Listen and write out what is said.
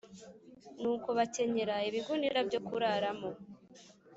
Nuko bakenyera ibigunira byokuraramo